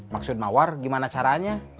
maksud mawar gimana caranya